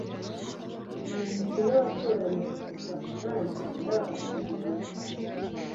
Uwo mugore watoranije kurwana nanjye yari agasuzuguro cyane